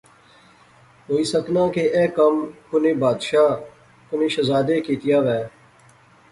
ہوئی سکنا کہ ایہہ کم کُنی بادشاہ، کنی شہزادے کیتیا وہے